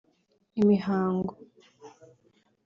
« Imihango